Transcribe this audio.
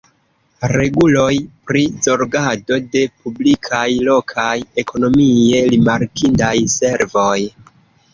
Reguloj pri zorgado de publikaj lokaj ekonomie rimarkindaj servoj.